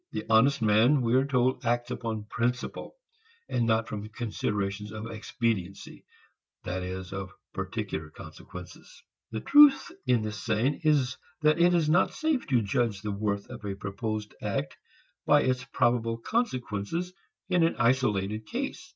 The honest man, we are told, acts upon "principle" and not from considerations of expediency, that is, of particular consequences. The truth in this saying is that it is not safe to judge the worth of a proposed act by its probable consequences in an isolated case.